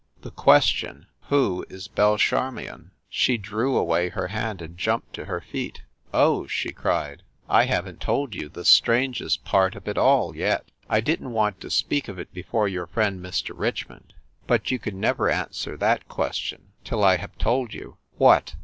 "The question, Who is Belle Charmion? " She drew away her hand and jumped to her feet. "Oh," she cried, "I haven t told you the strangest part of it all yet ! I didn t want to speak of it before your friend, Mr. Richmond. But you can never an swer that question till I have told you !" "What?"